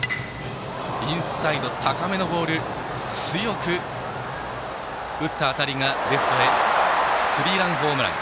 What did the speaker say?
インサイド高めのボールを強く打った当たりがレフトへ、スリーランホームラン。